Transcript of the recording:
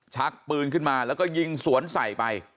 ชักปืนขึ้นมาแล้วก็ยิงสวนใส่ไป